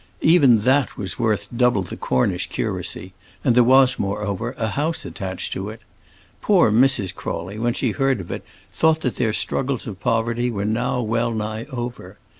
Even that was worth double the Cornish curacy, and there was, moreover, a house attached to it. Poor Mrs. Crawley, when she heard of it, thought that their struggles of poverty were now well nigh over.